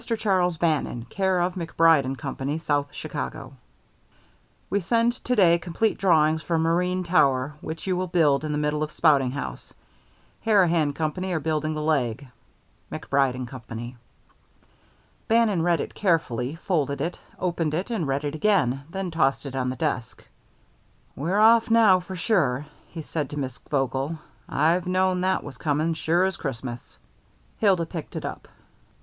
CHARLES BANNON, care of MacBride & Company, South Chicago: We send to day complete drawings for marine tower which you will build in the middle of spouting house. Harahan Company are building the Leg. MACBRIDE & CO. Bannon read it carefully, folded it, opened it and read it again, then tossed it on the desk. "We're off now, for sure," he said to Miss Vogel. "I've known that was coming sure as Christmas." Hilda picked it up.